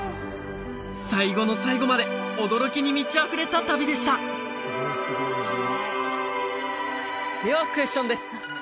最後の最後まで驚きに満ちあふれた旅でしたではクエスチョンです